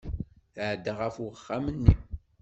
Tɛedda ɣef uxxam-nni.